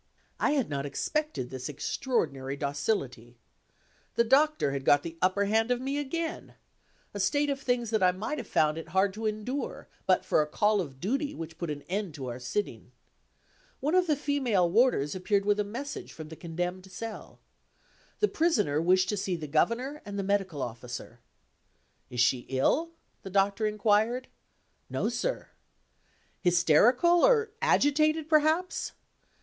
I had not expected this extraordinary docility. The Doctor had got the upper hand of me again a state of things that I might have found it hard to endure, but for a call of duty which put an end to our sitting. One of the female warders appeared with a message from the condemned cell. The Prisoner wished to see the Governor and the Medical Officer. "Is she ill?" the Doctor inquired. "No, sir." "Hysterical? or agitated, perhaps?"